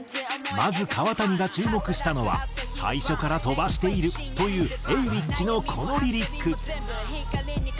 まず川谷が注目したのは「最初から飛ばしている」というＡｗｉｃｈのこのリリック。